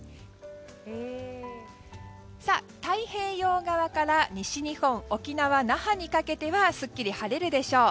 太平洋側から西日本、沖縄・那覇にかけてはすっきり晴れるでしょう。